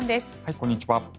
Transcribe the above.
こんにちは。